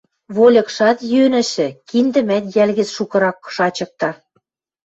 вольыкшат йӧнӹшӹ, киндӹмӓт йӓл гӹц шукырак шачыкта.